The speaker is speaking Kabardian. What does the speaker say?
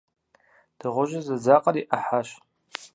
Дыгъужьыр зэдзакъэр и Ӏыхьэщ.